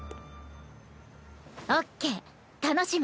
オッケー楽しむ！